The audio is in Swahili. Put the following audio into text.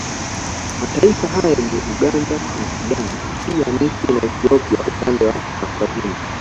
Mataifa hayo ni Uganda na Sudan pia Misri na Ethiopia upande wa kaskazini